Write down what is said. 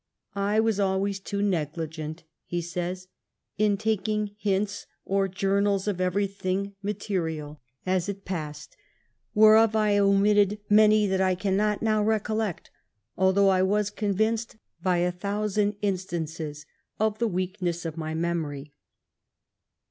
" I was always too negligent, he says, " in taking hints or journals of every thing material as it passed, whereof I omitted many that I cannot now recollect, although I was convinced, by a thousand instances, of the weakness of my memory."